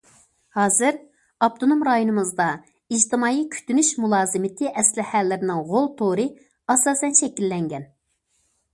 ھازىر، ئاپتونوم رايونىمىزدا ئىجتىمائىي كۈتۈنۈش مۇلازىمىتى ئەسلىھەلىرىنىڭ غول تورى ئاساسەن شەكىللەنگەن.